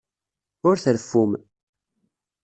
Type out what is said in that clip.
Ur treffum.